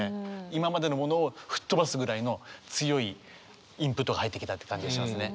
今までのものを吹っ飛ばすぐらいの強いインプットが入ってきたって感じがしますね。